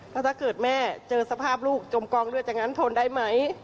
ถ้าเกิดแม่เจอสภาพลูกจมกองเลือดอย่างนั้นทนได้ไหม